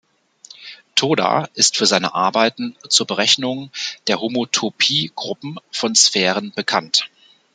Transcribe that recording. Toda ist für seine Arbeiten zur Berechnung der Homotopiegruppen von Sphären bekannt.